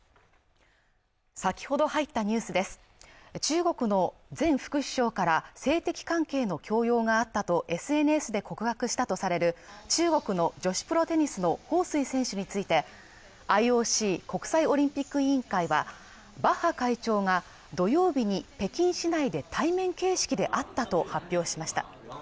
先ほど入ったニュースです中国の前副首相から性的関係の強要があったとＳＮＳで告白したとされる中国の女子プロテニスの彭帥選手についてＩＯＣ国際オリンピック委員会はバッハ会長が土曜日に北京市内で対面形式であったと発表しました